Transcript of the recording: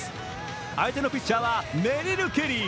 相手のピッチャーはメリル・ケリー。